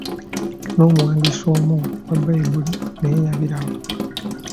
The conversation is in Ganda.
N'omuwandiisi omu owa Bbayibuli naye yabiraba